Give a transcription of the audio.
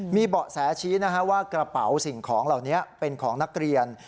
มีเบาะแสชี้ว่ากระเป๋าสิ่งของเหล่านี้เป็นของนักเรียน